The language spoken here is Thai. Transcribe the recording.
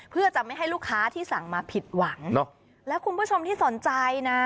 เพื่อจะไม่ให้ลูกค้าที่สั่งมาผิดหวังเนอะแล้วคุณผู้ชมที่สนใจนะ